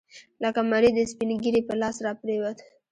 لکه مريد د سپينږيري په لاس راپرېوت.